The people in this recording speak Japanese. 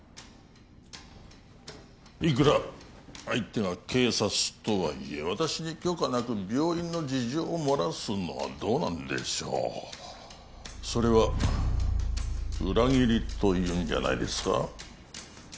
いくら相手が警察とはいえ私に許可なく病院の事情を漏らすのはどうなんでしょうそれは裏切りというんじゃないですか？